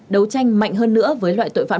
đấu tranh mạnh hơn nữa với loại truyền thống